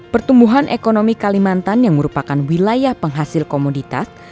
pertumbuhan ekonomi kalimantan yang merupakan wilayah penghasil komoditas